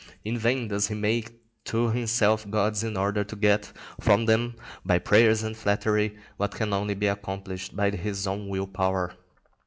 In vain does he make to himself gods in order to get from them by prayers and flattery what can only be accomplished by his own will power.